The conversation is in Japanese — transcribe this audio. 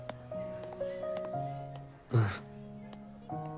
うん。